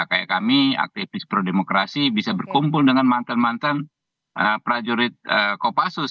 kayak kami aktivis pro demokrasi bisa berkumpul dengan mantan mantan prajurit kopassus